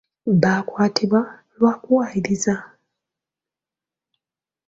Baakwatibwa lwa kuwaayiriza.